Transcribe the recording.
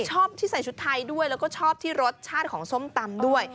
ชอบที่ใส่ชุดไทยด้วยแล้วก็ชอบที่รสชาติของส้มตำด้วย